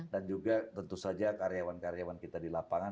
dan juga tentu saja karyawan karyawan kita di lapangan